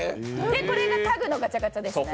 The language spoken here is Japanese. これが家具のガチャガチャですね。